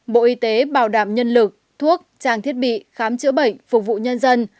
bộ y tế bảo đảm nhân lực thuốc trang thiết bị khám chữa bệnh phục vụ nhân dân